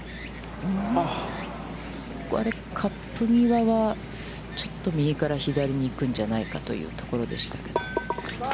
カップ際は、ちょっと右から左に行くんじゃないかというところでしたけど。